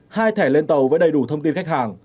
hai thẻ lên tàu với đầy đủ thông tin khách hàng